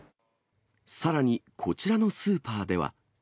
さらに、こちらのスーパーでは。